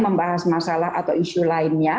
membahas masalah atau isu lainnya